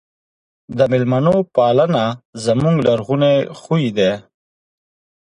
د مېلمنو پالنه زموږ لرغونی خوی دی.